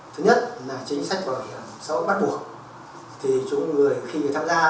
thứ nhất là chính sách bảo hiểm xã hội bắt buộc thì chúng người khi tham gia